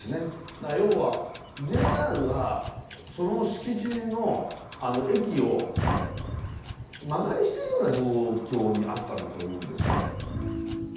だから要はＪＲがその敷地の駅を間借りしてるような状況にあったんだと思うんですよ。